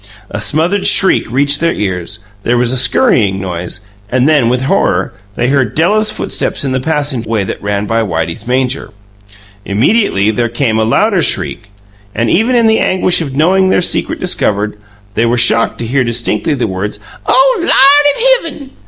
A smothered shriek reached their ears; there was a scurrying noise, and then, with horror, they heard Della's footsteps in the passageway that ran by Whitey's manger. Immediately there came a louder shriek, and even in the anguish of knowing their secret discovered, they were shocked to hear distinctly the words, "O Lard in hivvin!"